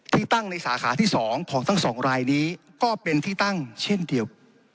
ที่ตั้งในสาขาที่๒ของทั้งสองรายนี้ก็เป็นที่ตั้งเช่นเดียว